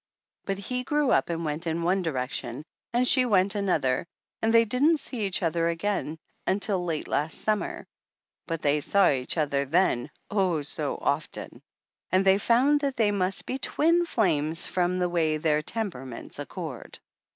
But he grew up and went one direction and she went another and they didn't see each other again until late last summer ; but they saw each other then, oh, so often ! And they found that they must be twin flames from the way their "temperaments accord."